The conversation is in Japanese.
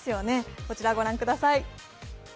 こちら御覧ください。